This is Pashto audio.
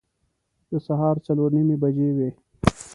د سهار څلور نیمې بجې وې.